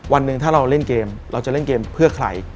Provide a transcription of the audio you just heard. วันหนึ่งถ้าเราเล่นเกมเราจะเล่นเกมเพื่อใคร